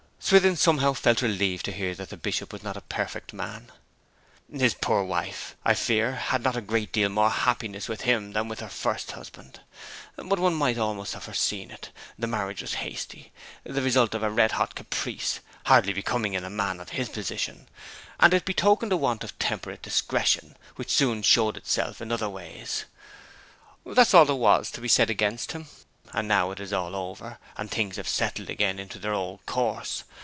Swithin, somehow, felt relieved to hear that the Bishop was not a perfect man. 'His poor wife, I fear, had not a great deal more happiness with him than with her first husband. But one might almost have foreseen it; the marriage was hasty the result of a red hot caprice, hardly becoming in a man of his position; and it betokened a want of temperate discretion which soon showed itself in other ways. That's all there was to be said against him, and now it's all over, and things have settled again into their old course.